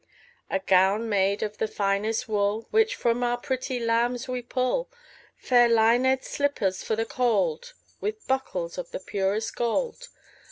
A gown made of the finest wool Which from our pretty lambs we pull; Fair linèd slippers for the cold, 15 With buckles of the purest gold.